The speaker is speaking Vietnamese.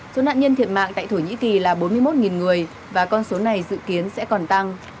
số nạn nhân thiệt mạng tại thổ nhĩ kỳ là bốn mươi một người và con số này dự kiến sẽ còn tăng